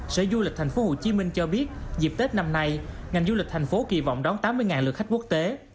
sở du lịch tp hcm cho biết dịp tết năm nay ngành du lịch thành phố kỳ vọng đón tám mươi lượt khách quốc tế